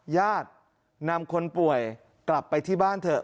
ญาตินำคนป่วยกลับไปที่บ้านเถอะ